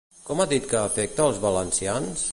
Com ha dit que afecta els valencians?